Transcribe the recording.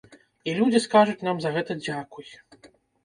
І людзі скажуць нам за гэта дзякуй.